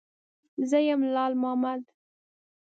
_زه يم، لال مامد.